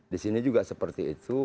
disini juga seperti itu